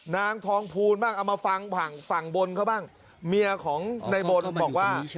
นางทองภูลบ้างเอามาฟังฝั่งบนเขาบ้างเมียของในบนบอกว่า